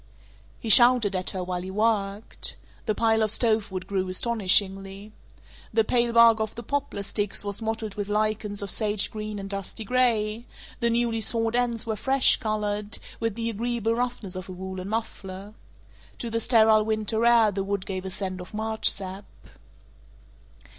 He shouted at her while he worked. The pile of stove wood grew astonishingly. The pale bark of the poplar sticks was mottled with lichens of sage green and dusty gray; the newly sawed ends were fresh colored, with the agreeable roughness of a woolen muffler. To the sterile winter air the wood gave a scent of March sap.